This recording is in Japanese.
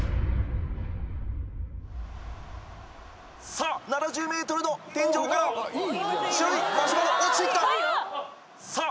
さあ７０ｍの天井から白いマシュマロ落ちてきたさあ